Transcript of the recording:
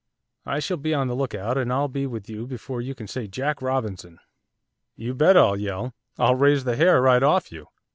I shall be on the lookout, and I'll be with you before you can say Jack Robinson.' 'You bet I'll yell, I'll raise the hair right off you.